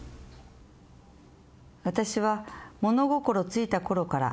「私は物心ついた頃から」